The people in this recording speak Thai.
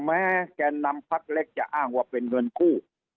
แม้แกนนำพักเล็กจะอ้างว่าเป็นเงินกู้